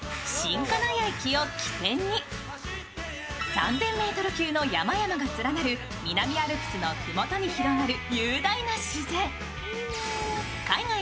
３０００ｍ級の山々が連なる南アルプスのふもとに広がる雄大な自然。